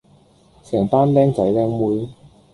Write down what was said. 成班 𡃁 仔 𡃁 妹